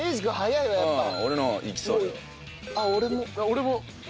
俺も。